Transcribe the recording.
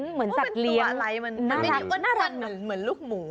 เหมือนสัตว์เลี้ยงน่ารักน่ารักนะมันเป็นตัวอะไรมันเหมือนลูกหมู